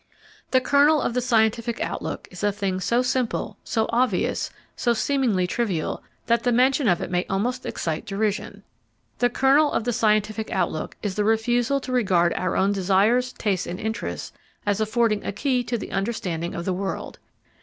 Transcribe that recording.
The kernel of the scientific outlook is a thing so simple, so obvious, so seemingly trivial, that the mention of it may almost excite derision. The kernel of the scientific outlook is the refusal to regard our own desires, tastes, and interests as affording a key to the understanding of the world.